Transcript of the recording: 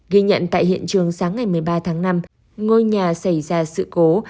ghi nhận tại hiện trường sáng ngày một mươi ba tháng năm ngôi nhà xảy ra sự cố